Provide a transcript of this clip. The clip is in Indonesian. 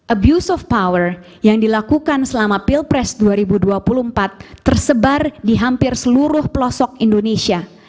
abuse of power yang dilakukan selama pilpres dua ribu dua puluh empat tersebar di hampir seluruh pelosok indonesia